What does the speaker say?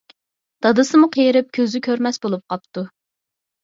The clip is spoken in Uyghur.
دادىسىمۇ قېرىپ كۆزى كۆرمەس بولۇپ قاپتۇ.